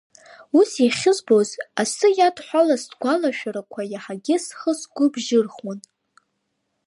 Ус иахьызбоз, асы иадҳәалаз сгәалашәарақәа иаҳагьы схы сгәы бжьырхуан.